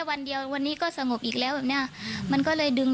วันเดียววันนี้ก็สงบอีกแล้วแบบเนี้ยมันก็เลยดึง